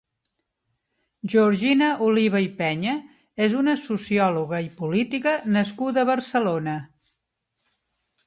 Georgina Oliva i Peña és una sociòloga i política nascuda a Barcelona.